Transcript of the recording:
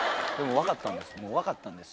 分かったんですか？